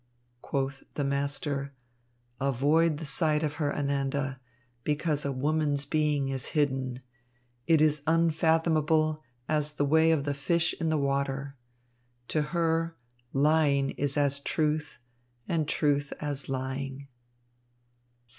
Quoth the master: "Avoid the sight of her, Ananda, because a woman's being is hidden. It is unfathomable as the way of the fish in the water. To her, lying is as truth, and truth as lying."